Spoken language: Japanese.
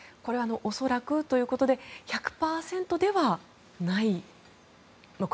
恐らくということで１００％ではない。